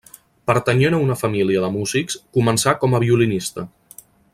Pertanyent a una família de músics, començà com a violinista.